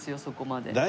そこまで。